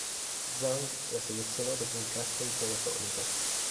Zhang la selezionò dopo un casting telefonico.